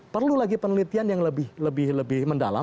perlu lagi penelitian yang lebih mendalam